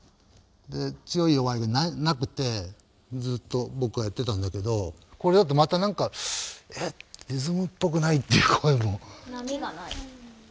強い弱いがなくてずっと僕がやってたんだけどこれだとまた何かえっリズムっぽくないっていう声も。